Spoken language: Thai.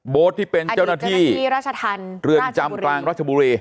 โบ๊ทที่เป็นเจ้าหน้าที่เตือนจำกลางราชบุรี